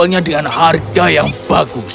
dan menjualnya dengan harga yang bagus